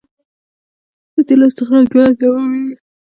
د تیلو استخراج ګران تمامېږي.